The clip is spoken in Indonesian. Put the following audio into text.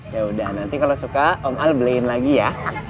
yaudah nanti kalau suka om al beliin lagi ya